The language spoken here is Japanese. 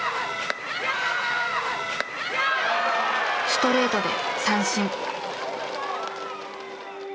ストレートで三振。